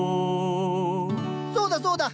そうだそうだ。